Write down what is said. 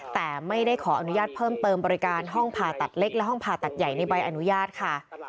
แต่ไม่ได้ขออนุญาตเพิ่มเติมบริการห้องผ่าตัดเล็กและห้องผ่าตัดใหญ่ในใบอนุญาตค่ะ